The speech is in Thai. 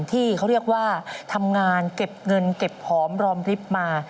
ที่เขาเรียกว่าทำงานเก็บเงินเก็บหอมรอมริบมา